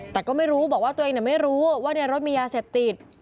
แต่ก็ไม่รู้บอกว่าตัวเองไม่รู้ว่าในรถมียาเสพติด